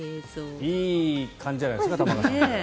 いい感じじゃないですか玉川さん。